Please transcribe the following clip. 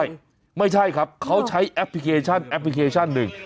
ใช่ไม่ใช่ครับเขาใช้แอปพลิเคชันแอปพลิเคชันหนึ่ง